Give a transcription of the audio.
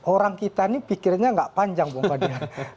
orang kita ini pikirnya nggak panjang bung fadil